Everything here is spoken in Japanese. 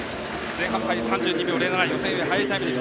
前半の入り３２秒０７予選より速いタイム。